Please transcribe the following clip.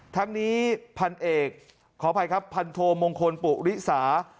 ทั้งนี้พันเอกขออภัยครับพันโทมงคลปุริสา